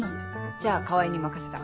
じゃあ川合に任せた。